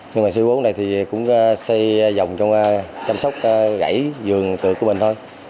nhưng mà xây vốn này thì cũng xây dòng trong chăm sóc gãy dường tựa của mình thôi